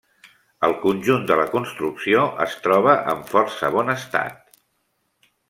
El conjunt de la construcció es troba en força bon estat.